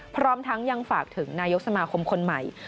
พร้อมทั้งยังฝากถึงนายกสมาคมคนใหม่